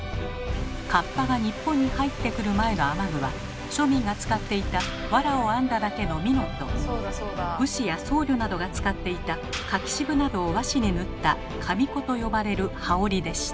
かっぱが日本に入ってくる前の雨具は庶民が使っていた藁を編んだだけの蓑と武士や僧侶などが使っていた柿渋などを和紙に塗った「紙子」と呼ばれる羽織でした。